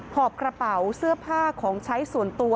หอบกระเป๋าเสื้อผ้าของใช้ส่วนตัว